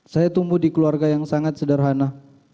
saya tumbuh di keluarga yang sangat sederhana